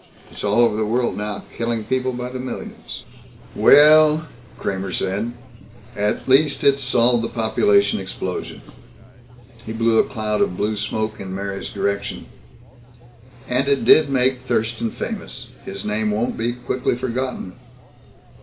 It's all over the world now killing people by the millions." "Well," Kramer said, "at least it's solved the population explosion." He blew a cloud of blue smoke in Mary's direction. "And it did make Thurston famous. His name won't be quickly forgotten."